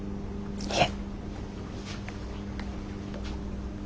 いえ。